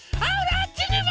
あっちにも！